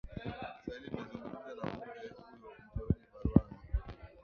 kiswahili imezungumza na bunge huyo mteule barwan